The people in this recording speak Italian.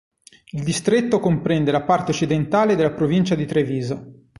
Il distretto comprende la parte occidentale della provincia di Treviso.